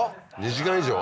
２時間以上？